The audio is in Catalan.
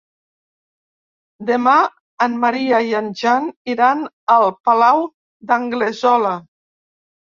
Demà en Maria i en Jan iran al Palau d'Anglesola.